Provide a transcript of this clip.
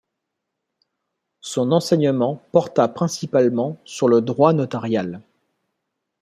Son enseignement porta principalement sur le droit notarial.